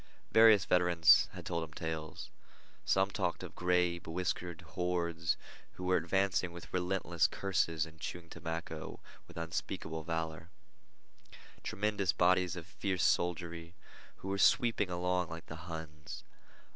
Various veterans had told him tales. Some talked of gray, bewhiskered hordes who were advancing with relentless curses and chewing tobacco with unspeakable valor; tremendous bodies of fierce soldiery who were sweeping along like the Huns.